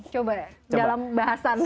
coba ya dalam bahasan